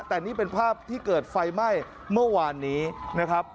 แต่นี่เป็นภาพที่เกิดไฟไหม้เมื่อวานนี้นะครับ